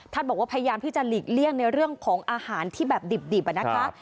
บอกว่าพยายามที่จะหลีกเลี่ยงในเรื่องของอาหารที่แบบดิบนะคะ